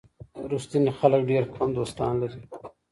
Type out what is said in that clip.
ریښتیني خلک ډېر کم دوستان لري.